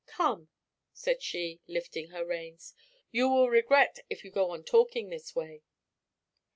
"Come," said she, lifting her reins, "you will regret if you go on talking this way."